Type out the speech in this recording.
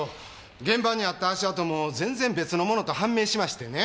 現場にあった足跡も全然別の物と判明しましてね。